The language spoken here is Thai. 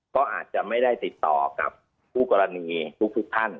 ก็อาจจะไม่ได้ติดต่อกับผู้กรณีทุกท่าน